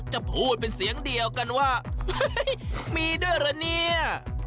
จะพูดเป็นเสียงเดียวกันว่าเฮ้ยมีด้วยเหรอเนี่ย